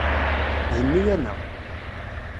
Henni-aneɣ.